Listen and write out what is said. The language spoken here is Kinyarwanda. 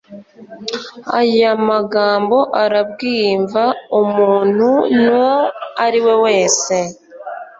Aya magambo arabwimva umuntu nwo ariwe wese.